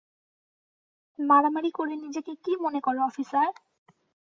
মারামারি করে নিজেকে কি মনে কর অফিসার?